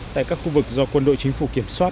tại các khu vực do quân đội chính phủ